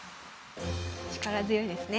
力強いですね。